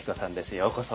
ようこそ。